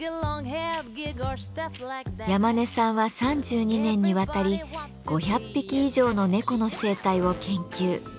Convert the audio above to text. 山根さんは３２年にわたり５００匹以上の猫の生態を研究。